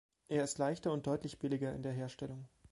Er ist leichter und deutlich billiger in der Herstellung.